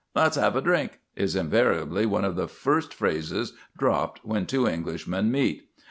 "Let's 'ave a drink," is invariably one of the first phrases dropped when two Englishmen meet.